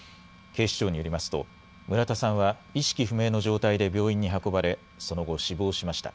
警視庁によりますと、村田さんは意識不明の状態で病院に運ばれ、その後、死亡しました。